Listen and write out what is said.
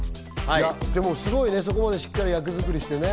すごいね、そこまでしっかり役作りしてね。